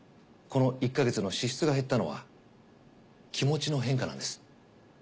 この１か月の支出が減ったのは気持ちの変化なんです。